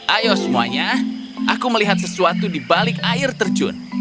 ayo semuanya aku melihat sesuatu di balik air terjun